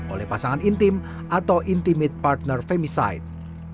oleh pasangan intim atau intimate partner femicide